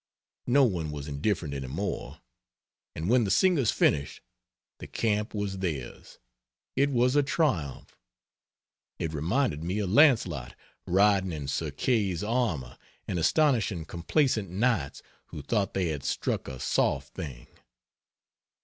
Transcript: No one was indifferent any more; and when the singers finished, the camp was theirs. It was a triumph. It reminded me of Launcelot riding in Sir Kay's armor and astonishing complacent Knights who thought they had struck a soft thing.